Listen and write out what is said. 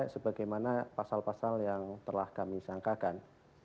sebagaimana pasal pasal yang telah kami sangkakan